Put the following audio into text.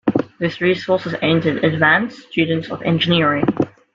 This resource is aimed at advanced students of engineering.